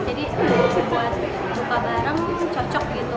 jadi buat buka barang cocok gitu